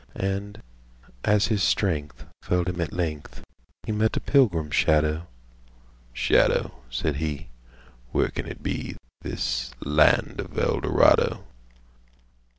And, as his strengthFailed him at length, He met a pilgrim shadow "Shadow," said he,"Where can it be This land of Eldorado?""